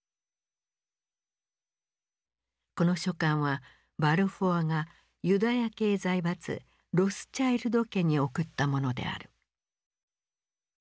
この書簡はバルフォアがユダヤ系財閥ロスチャイルド家に送ったものである。